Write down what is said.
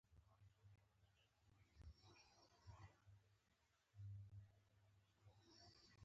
د افغانستان د اقتصادي پرمختګ لپاره پکار ده چې کیسې ولیکو.